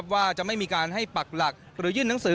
ว่าจะไม่มีการให้ปักหลักหรือยื่นหนังสือ